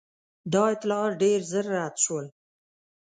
دا اطلاعات ډېر ژر رد شول.